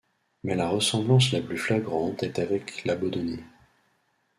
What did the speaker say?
Mais la ressemblance la plus flagrante est avec la Bodoni.